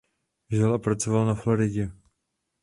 Žil a pracoval na Floridě.